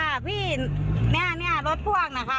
ค่ะพี่นี่ค่ะนี่ค่ะรถพ่วงนะคะ